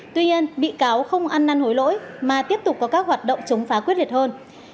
tuy nhiên bị cáo không ăn năn hối lỗi mà tiếp tục có các hoạt động chống phá quyết liệt hơn